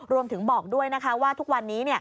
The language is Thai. บอกด้วยนะคะว่าทุกวันนี้